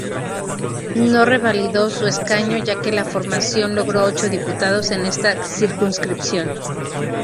No revalidó su escaño ya que la formación logró ocho diputados en esta circunscripción.